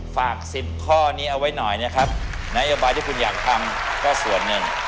ฝาก๑๐ข้อนี้เอาไว้หน่อยนะครับนโยบายที่คุณอยากทำก็ส่วนหนึ่ง